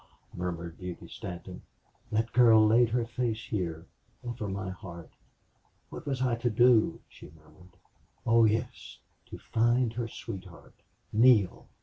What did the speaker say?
murmured Beauty Stanton. "That girl laid her face here over my heart! What was I to do?" she murmured. "Oh yes to find her sweetheart Neale!"